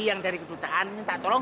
yang dari kedutaan minta tolong